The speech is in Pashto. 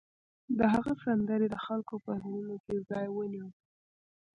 د هغه سندرې د خلکو په زړونو کې ځای ونیو